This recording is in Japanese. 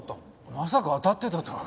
まさか当たってたとは。